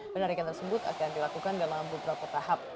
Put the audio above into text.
penarikan tersebut akan dilakukan dalam beberapa tahap